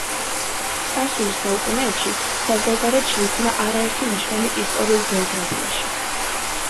წარსულის საუკუნეებში საზღვარგარეთ შეიქმნა არაერთი ნაშრომი ისტორიულ გეოგრაფიაში.